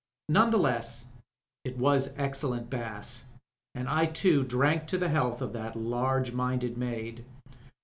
None the less, it was excellent Bass, and I too drank to the health of that large minded maid.